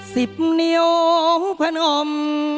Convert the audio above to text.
สิบเหนียวพนอม